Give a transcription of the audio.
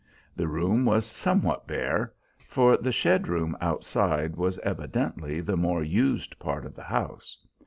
The room was somewhat bare, for the shed room outside was evidently the more used part of the house.